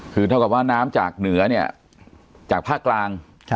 คือเท่ากับว่าน้ำจากเหนือเนี่ยจากภาคกลาง